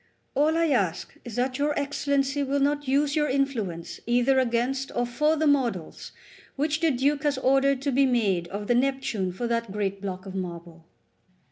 All I ask is that your Excellency will not use your influence either against or for the models which the Duke has ordered to be made of the Neptune for that great block of marble."